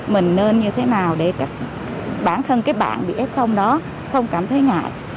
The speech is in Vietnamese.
mình nên như thế nào để bản thân các bạn bị f đó không cảm thấy ngại